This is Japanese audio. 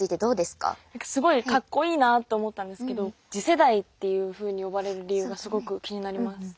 すごいかっこいいなと思ったんですけど次世代っていうふうに呼ばれる理由がすごく気になります。